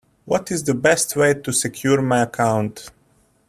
What is the best way to secure my account?